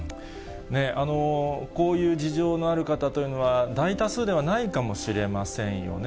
こういう事情のある方というのは、大多数ではないかもしれませんよね。